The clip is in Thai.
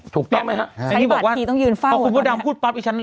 ถูกต้องไหมฮะใช้บัตรเครดิตต้องยืนฝ้าหัวตอนนี้อันนี้บอกว่าขอคุณพ่อดังพูดปั๊บอีกฉัน